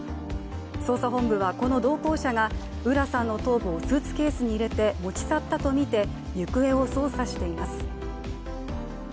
捜査本部はこの同行者が浦さんの頭部をスーツケースに入れて持ち去ったとみて行方を捜査しています。